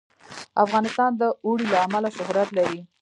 افغانستان د اوړي له امله شهرت لري.